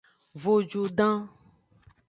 Vojudan.